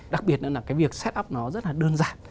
đặc biệt nữa là cái việc set up nó rất là đơn giản